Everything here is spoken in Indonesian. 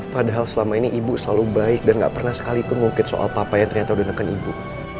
padahal selama ini ibu selalu baik dan gak pernah sekalipun mengungkit soal papa yang ternyata udah nekatin ibu